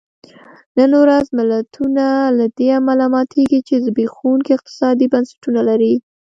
نن ورځ ملتونه له دې امله ماتېږي چې زبېښونکي اقتصادي بنسټونه لري.